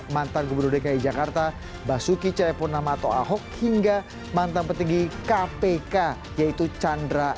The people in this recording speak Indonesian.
mantan gubernur dki jakarta basuki cahayapurnama atau ahok hingga mantan petinggi kpk yaitu chandra